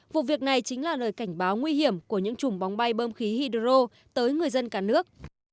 vụ việc này chính là lời cảnh báo nguy hiểm của những chùm bóng bay bơm khí hydro tới người dân cả nước